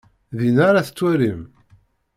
Dinna ara t-twalim.